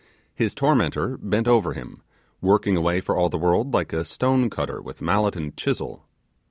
His tormentor bent over him, working away for all the world like a stone cutter with mallet and chisel.